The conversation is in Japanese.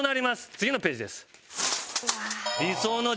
次のページです。